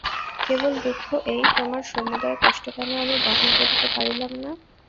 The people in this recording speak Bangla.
কেবল দুঃখ এই, তােমার সমুদয় কষ্ট কেন আমি বহন করিতে পারিলাম না?